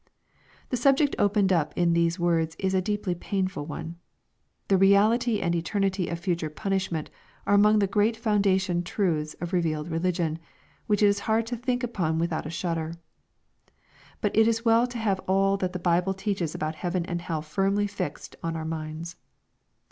The subject opened up in these words is a deeply painful one. The reality and eternity of future punishment are among the great foundation truths of revealed religion, which it is hard to think upon without a shudder. But it is well to have all that the Bible teaches about heaven and hell firmly fixed on our minds.